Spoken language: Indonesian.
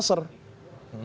hizbun nasr untuk mengatakan